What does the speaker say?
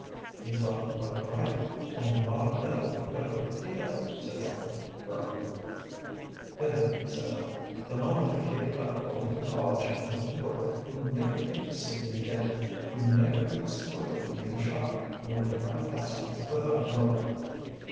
"You thought quite right, only not a little, but a great deal," said Robert, firmly. "Then," said Ellen, "the moment I gave up going to college and went to work you never came to see me again; you never even spoke to me in the shop; you went right past me without a look."